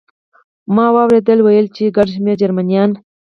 مو واورېدل، ویل یې چې ګڼ شمېر جرمنیان.